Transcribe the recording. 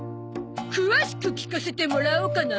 詳しく聞かせてもらおうかな？